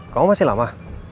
kamu masih lama